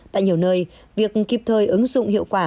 tại nhiều nơi việc kịp thời ứng dụng hiệu quả